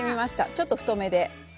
ちょっと太めで。